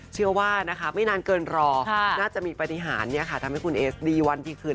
เชื่อว่านะคะไม่นานเกินรอน่าจะมีปฏิหารทำให้คุณเอสดีวันดีคืน